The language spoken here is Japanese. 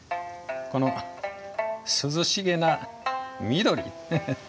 この涼しげな緑。